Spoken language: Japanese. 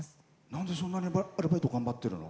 なんでそんなにアルバイトを頑張ってるの？